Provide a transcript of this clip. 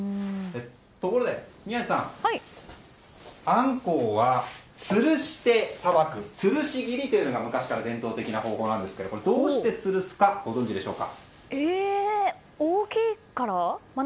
ところで宮司さんあんこうは、つるしてさばくつるし切りというのが昔から伝統的な方法ですがどうしてつるすかご存じでしょうか？